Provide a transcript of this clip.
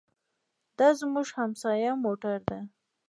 دا زموږ د همسایه موټر دی.